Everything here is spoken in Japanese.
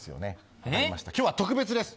今日は特別です。